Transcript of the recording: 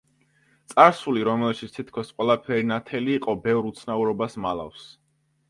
წარსული, რომელშიც თითქოს ყველაფერი ნათელი იყო, ბევრ უცნაურობას მალავს.